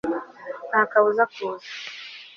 nta kabuza kuza